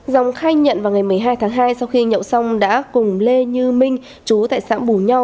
dòng khai nhận vào ngày một mươi hai tháng hai sau khi nhậu xong đã cùng lê như minh chú tại xã bù nho